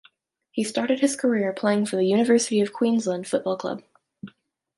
He started his career playing for the University of Queensland Football club.